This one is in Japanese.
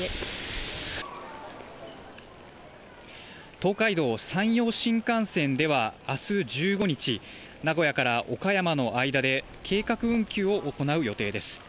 東海道・山陽新幹線ではあす１５日、名古屋から岡山の間で計画運休を行う予定です。